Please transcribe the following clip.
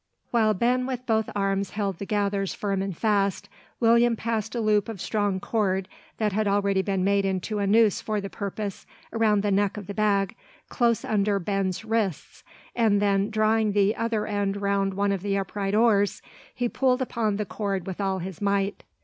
While Ben with both arms held the gathers firm and fast, William passed a loop of strong cord, that had already been made into a noose for the purpose, around the neck of the bag, close under Ben's wrists, and then drawing the other end round one of the upright oars, he pulled upon the cord with all his might.